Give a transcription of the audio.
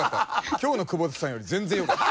今日の久保田さんより全然良かった。